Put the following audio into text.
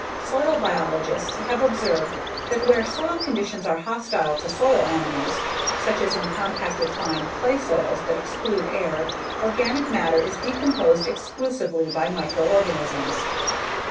Soil biologists have observed that where soil conditions are hostile to soil animals, such as in compacted fine clay soils that exclude air, organic matter is decomposed exclusively by microorganisms.